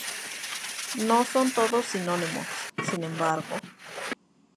No son todos sinónimos, sin embargo.